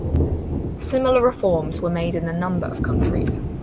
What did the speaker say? Similar reforms were made in a number of countries.